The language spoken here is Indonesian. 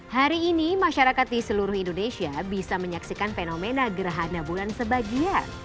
hari ini masyarakat di seluruh indonesia bisa menyaksikan fenomena gerhana bulan sebagian